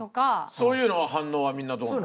そういうのは反応はみんなどうなんですか？